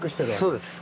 そうです。